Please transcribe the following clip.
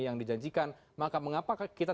yang dijanjikan maka mengapa kita